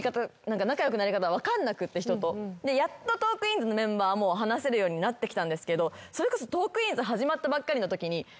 やっと『トークィーンズ』のメンバーも話せるようになってきたんですけどそれこそ『トークィーンズ』。